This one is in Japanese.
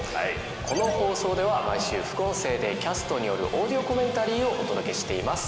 この放送では毎週副音声でキャストによるオーディオコメンタリーをお届けしています。